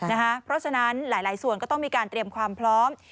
เพราะฉะนั้นหลายส่วนก็ต้องมีการเตรียมความพร้อม